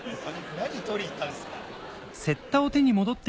何取りに行ったんですか？